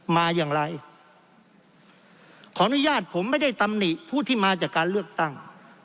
มาอย่างไรขออนุญาตผมไม่ได้ตำหนิผู้ที่มาจากการเลือกตั้ง